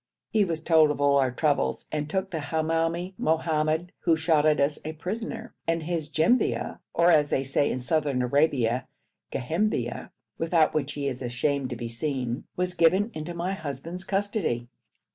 He was told of all our troubles, and took the Hamoumi, Mohammad, who shot at us, a prisoner, and his jembia (or as they say in Southern Arabia ghembia), without which he is ashamed to be seen, was given into my husband's custody.